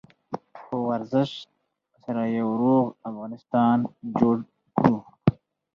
په ورزش سره یو روغ افغانستان جوړ کړو.